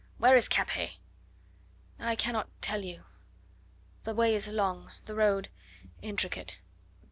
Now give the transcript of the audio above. Where is Capet?" "I cannot tell you; the way is long, the road intricate."